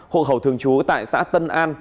hội khẩu thường trú tại xã tân an